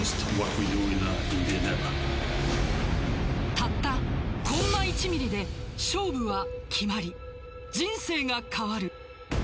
たったコンマ１ｍｍで勝負は決まり人生が変わる。